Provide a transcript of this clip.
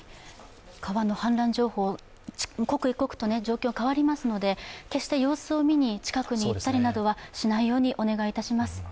川の氾濫情報、刻一刻と状況が変わりますので決して様子を見に近くに行ったりはしないようにお願いします。